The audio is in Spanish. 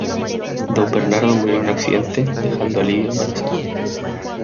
Don Bernardo murió en un accidente, dejando a Libia embarazada.